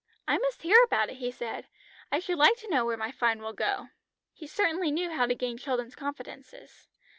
"I must hear about it," he said. "I should like to know where my fine will go." He certainly knew how to gain children's confidences.